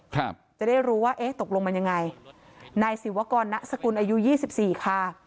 ครับจะได้รู้ว่าเอ๊ะตกลงมันยังไงนายศิวกรณสกุลอายุยี่สิบสี่ค่ะ